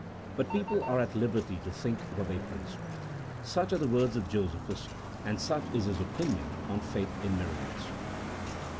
But people are at liberty to think what they please." Such are the words of Josephus, and such is his opinion on faith in miracles.